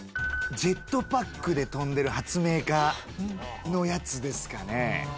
ジェットパックで飛んでる発明家のやつですかね